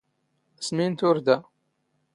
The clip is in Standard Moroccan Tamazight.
ⵙ ⵎⵉⵏ ⵜⵓⵔⴷⴰ